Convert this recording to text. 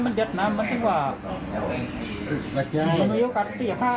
แล้วเกินในเวลาอาจได้มีครับ